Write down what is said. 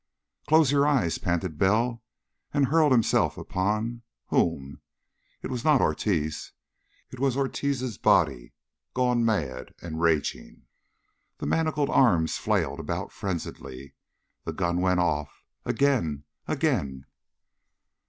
"Close your eyes!" panted Bell, and hurled himself upon whom? It was not Ortiz. It was Ortiz's body, gone mad and raging. The manacled arms flailed about frenziedly. The gun went off. Again. Again....